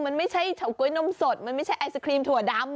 มันไม่ใช่เฉาก๊วยนมสดมันไม่ใช่ไอศครีมถั่วดำ